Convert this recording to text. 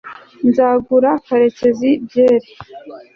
nzagura karekezi byeri